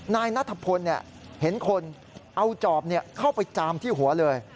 นายนัทพลเห็นคนเอาจอบเข้าไปจามที่หัวเลย